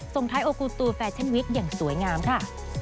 ส่งท้ายโอกูตูแฟชั่นวิกอย่างสวยงามค่ะ